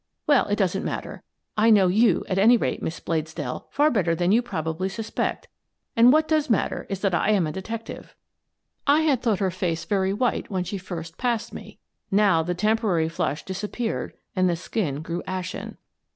Well, it doesn't matter. I know you, at any rate, Miss Bladesdell, far better than you probably sus pect, and what does matter is that I am a detec tive." I had thought her face very white when she first passed me; now the temporary flush disappeared and the skin grew ashen.